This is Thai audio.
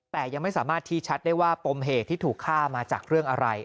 แต่ยังไม่สามารถชี้ชัดได้ว่าปมเหตุที่ถูกฆ่ามาจากเรื่องอะไร